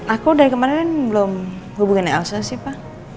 aku dari kemarin belum hubungin elsa sih pa